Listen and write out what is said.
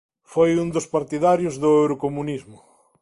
Foi un dos partidarios do eurocomunismo.